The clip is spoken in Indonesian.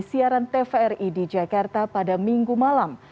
siaran tvri di jakarta pada minggu malam